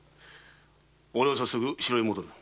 俺は早速城へ戻る。